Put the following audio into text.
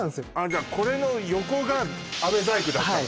じゃあこれの横がアメ細工だったのね